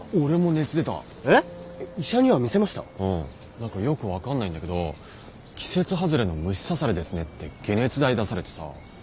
何かよく分かんないんだけど季節外れの虫刺されですねって解熱剤出されてさ。